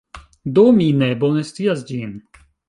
Do, mi ne bone scias ĝin